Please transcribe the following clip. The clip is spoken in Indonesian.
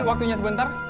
izin waktunya sebentar